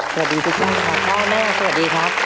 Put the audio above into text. สวัสดีครับพี่ไก่พ่อแม่สวัสดีครับ